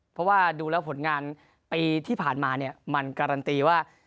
เพราะว่าดูแล้วผลงานปีที่ผ่านมาเนี่ยมันการันตีว่า